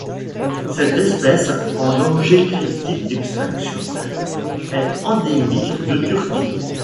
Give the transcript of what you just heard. Cette espèce, en danger critique d'extinction, est endémique de Turquie.